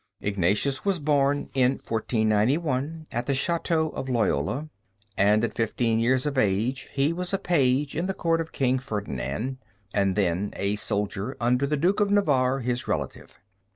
Ignatius was born, in 1491, at the château of Loyola, and at fifteen years of age he was a page in the court of King Ferdinand, and then a soldier under the Duke of Navarre, his relative.